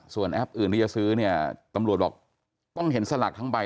ส่วนแอปอื่นที่จะซื้อเนี่ยตำรวจบอกต้องเห็นสลากทั้งใบ